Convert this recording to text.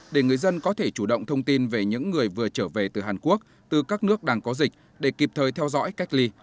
để người dân có thể chủ động thông tin về những người vừa trở về từ hàn quốc từ các nước đang có dịch để kịp thời theo dõi cách ly